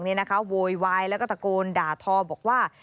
มันเกิดเหตุเป็นเหตุที่บ้านกลัว